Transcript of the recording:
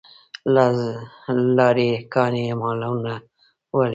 لاری ګانې مالونه وړي.